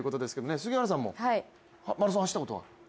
杉原さんマラソン、走ったことは？